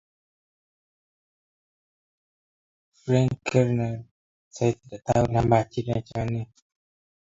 Falkiner and Sir Thomas Tancred, who together also constructed the Forth Railway Bridge.